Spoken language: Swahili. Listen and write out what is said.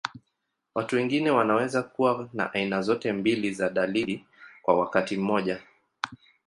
Watu wengine wanaweza kuwa na aina zote mbili za dalili kwa wakati mmoja.